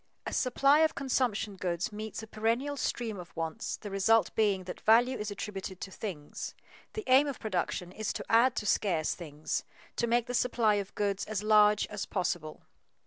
A supply of consumption goods meets a perennial stream of wants, the result being that value is attributed to things. The aim of production is to add to scarce things, to make the supply of goods as large as possible.